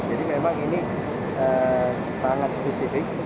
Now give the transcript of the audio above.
jadi memang ini sangat spesifik